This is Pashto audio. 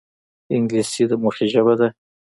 انګلیسي د موخې ژبه ده